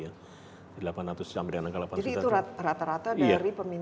jadi itu rata rata dari pemintaan itu segitu ya